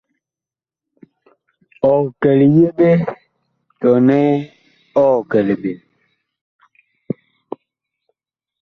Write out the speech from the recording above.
Ɔg kɛ liyeɓe tɔnɛ ɔg kɛ liɓen ?